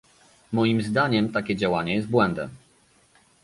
Moim zdaniem takie działanie jest błędem